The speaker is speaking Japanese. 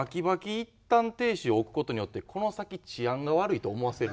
いったん停止置くことによってこの先治安が悪いと思わせる。